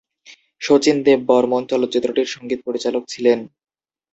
শচীন দেব বর্মণ চলচ্চিত্রটির সঙ্গীত পরিচালক ছিলেন।